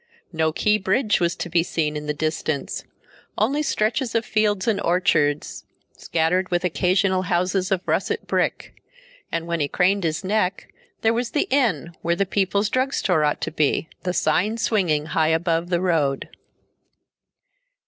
No Key Bridge was to be seen in the distance, only stretches of fields and orchards, scattered with occasional houses of russet brick, and when he craned his neck there was the inn where the People's Drugstore ought to be, the sign swinging high above the road.